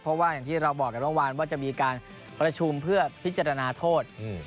เพราะว่าอย่างที่เราบอกกันเมื่อวานว่าจะมีการประชุมเพื่อพิจารณาโทษ